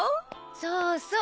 そうそう。